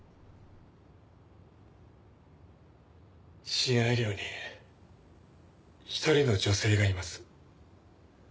親愛寮に１人の女性がいます。